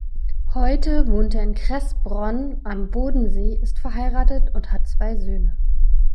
Heute wohnt er in Kressbronn am Bodensee, ist verheiratet und hat zwei Söhne.